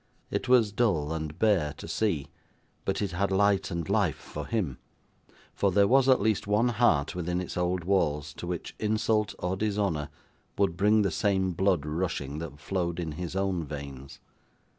It was dull and bare to see, but it had light and life for him; for there was at least one heart within its old walls to which insult or dishonour would bring the same blood rushing, that flowed in his own veins.